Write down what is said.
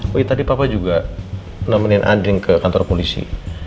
wih tadi papa juga nemenin andien ke kantor polisi